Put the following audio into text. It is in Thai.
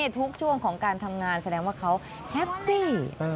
ทุกช่วงของการทำงานแสดงว่าเขาแฮปปี้